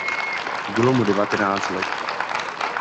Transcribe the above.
Bylo mu devatenáct let.